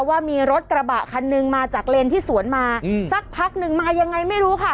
ว่ามีรถกระบะคันหนึ่งมาจากเลนที่สวนมาสักพักหนึ่งมายังไงไม่รู้ค่ะ